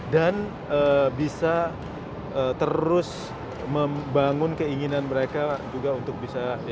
dan bisa terus membangun keinginan mereka juga untuk bisa